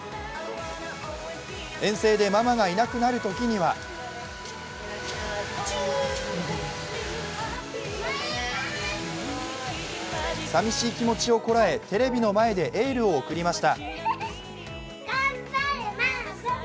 遠征でママがいなくなるときには寂しい気持ちをこらえ、テレビの前でエールを送りました。